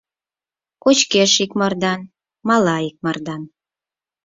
Кочкеш икмардан, мала икмардан.